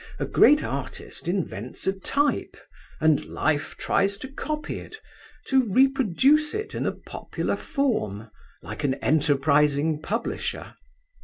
A great artist invents a type, and Life tries to copy it, to reproduce it in a popular form, like an enterprising publisher.